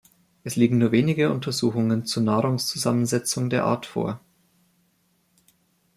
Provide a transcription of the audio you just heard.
Es liegen nur wenige Untersuchungen zur Nahrungszusammensetzung der Art vor.